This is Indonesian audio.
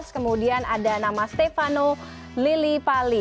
kemudian ada nama stefano lili pali